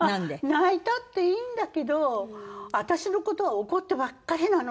泣いたっていいんだけど私の事は怒ってばっかりなのに。